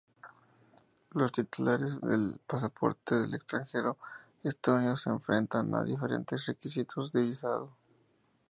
Los titulares del pasaporte del extranjero estonio se enfrentan a diferentes requisitos de visado.